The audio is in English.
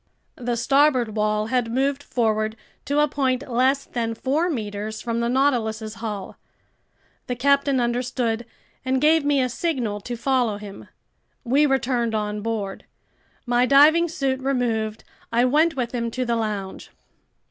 The starboard wall had moved forward to a point less than four meters from the Nautilus's hull. The captain understood and gave me a signal to follow him. We returned on board. My diving suit removed, I went with him to the lounge.